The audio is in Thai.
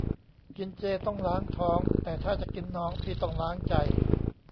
กินเจต้องล้างท้อง แต่ถ้าจะกินน้อง พี่ต้องล้างใจ